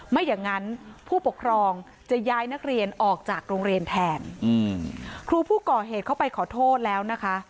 ไม่อย่างนั้นผู้ปกครองจะย้ายนักเรียนออกจากโรงเรียนแทนครูผู้ก่อเหตุเข้าไปขอโทษแล้วนะคะ